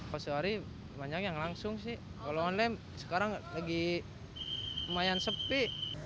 kalau sehari banyak yang langsung sih kalau online sekarang lagi lumayan sepi